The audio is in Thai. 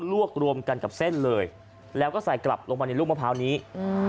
วกรวมกันกับเส้นเลยแล้วก็ใส่กลับลงมาในลูกมะพร้าวนี้อืม